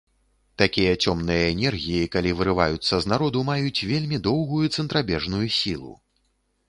Такія цёмныя энергіі, калі вырываюцца з народу, маюць вельмі доўгую цэнтрабежную сілу.